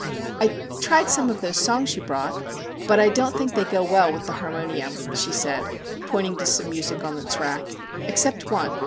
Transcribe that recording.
' I tried some of those songs you brought, but I don't think they go well with the har monium/ she said, pointing to some music on its rack, ' except one.